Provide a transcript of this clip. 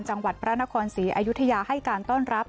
จังหวัดพระนครศรีอยุธยาให้การต้อนรับ